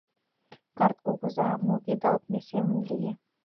— Карт кугыза мугедалтме семын лие.